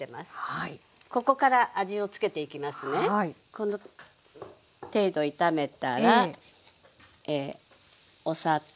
この程度炒めたらお砂糖。